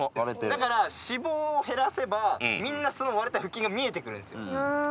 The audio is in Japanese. だから脂肪を減らせばみんな割れた腹筋が見えて来るんです。